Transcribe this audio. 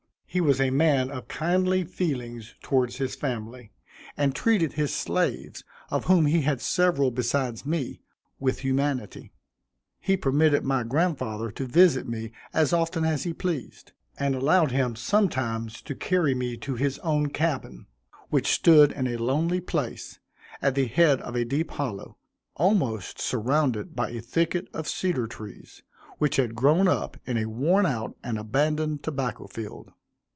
He was a man of kindly feelings towards his family, and treated his slaves, of whom he had several besides me, with humanity. He permitted my grandfather to visit me as often as he pleased, and allowed him sometimes to carry me to his own cabin, which stood in a lonely place, at the head of a deep hollow, almost surrounded by a thicket of cedar trees, which had grown up in a worn out and abandoned tobacco field.